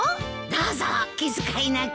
どうぞお気遣いなく。